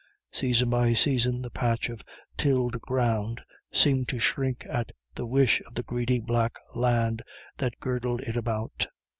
Season by season the patch of tilled ground seemed to shrink at the wish of the greedy black land that girdled it about.